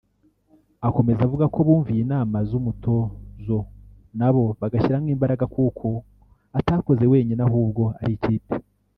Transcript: Akomeza avuga ko bumviye inama z’umutozo nabo bagashyiramo imbagara kuko atakoze wenyine ahubwo ari ikipe